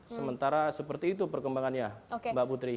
sementara seperti itu perkembangannya mbak putri